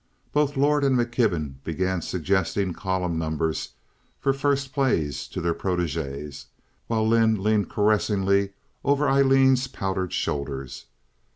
Both Lord and McKibben began suggesting column numbers for first plays to their proteges, while Lynde leaned caressingly over Aileen's powdered shoulders.